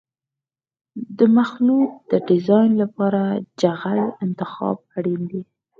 د مخلوط د ډیزاین لپاره د جغل انتخاب اړین دی